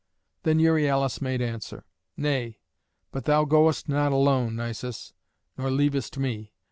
Then Euryalus made answer: "Nay, but thou goest not alone, Nisus, nor leavest me.